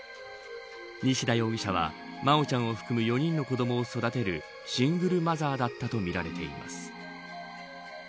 西田容疑者は真愛ちゃんを含む４人の子どもを育てるシングルマザーだったとみられています。